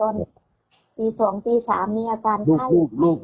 ตัวเถียวไข้ตอนตี๒ตี๓มีอาการไข้